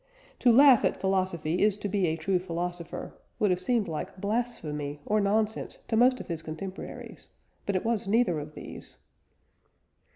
"To laugh at philosophy is to be a true philosopher" would have seemed like blasphemy or nonsense to most of his contemporaries, but it was neither of these.